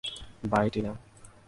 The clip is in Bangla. বাই, টিনা।